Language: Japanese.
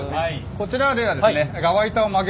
こちらではですね